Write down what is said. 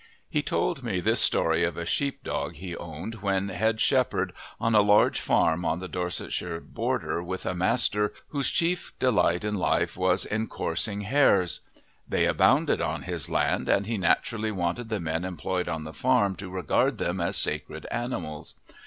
He told me this story of a sheep dog he owned when head shepherd on a large farm on the Dorsetshire border with a master whose chief delight in life was in coursing hares. They abounded on his land, and he naturally wanted the men employed on the farm to regard them as sacred animals.